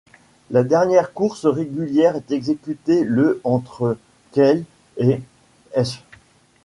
La dernière course régulière est exécutée le entre Kayl et Esch.